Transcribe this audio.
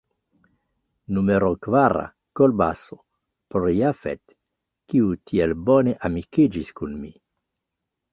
Numero kvara: Kolbaso; por Jafet, kiu tiel bone amikiĝis kun mi.